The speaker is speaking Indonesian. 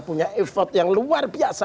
punya effort yang luar biasa